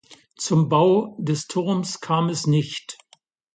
Zum Bau des Turms kam es nicht.